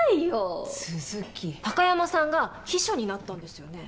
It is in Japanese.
貴山さんが秘書になったんですよね？